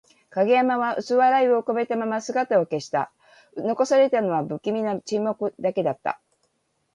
影山は薄笑いを浮かべたまま姿を消した。残されたのは、不気味な沈黙だけだった。